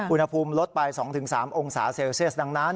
อุณหภูมิลดไป๒๓องศาเซลเซียสดังนั้น